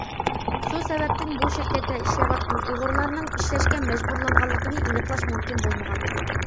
شۇ سەۋەبتىن بۇ شىركەتتە ئىشلەۋاتقان ئۇيغۇرلارنىڭ ئىشلەشكە مەجبۇرلانغانلىقىنى ئېنىقلاش مۇمكىن بولمىغان.